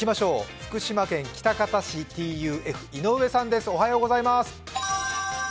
福島県喜多方市、ＴＵＦ、井上さんです。